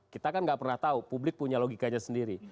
kita kan nggak pernah tahu publik punya logikanya sendiri